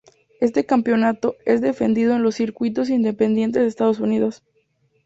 Este campeonato es defendido en los circuitos independientes de Estados Unidos.